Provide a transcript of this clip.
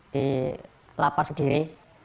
di lapas diri